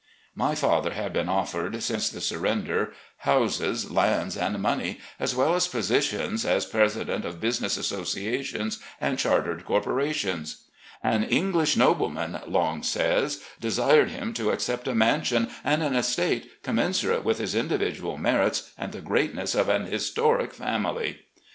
My fath^ had been offered, since the surrender, houses, lands, and money, as well as positions as president of business associations and chartered corporations. "An Ei^lish nobleman," Long says, "desired him to accept a mansion and an estate commensurate with his individual merits and the greatness of an historic family."